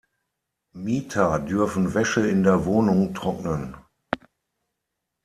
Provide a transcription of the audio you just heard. Mieter dürfen Wäsche in der Wohnung trocknen.